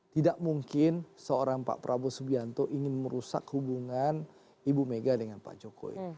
tidak mungkin seorang pak prabowo subianto ingin merusak hubungan ibu mega dengan pak jokowi